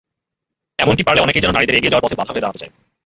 এমনকি পারলে অনেকেই যেন নারীদের এগিয়ে যাওয়ার পথে বাধা হয়ে দাঁড়াতে চায়।